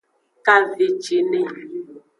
Kavecine.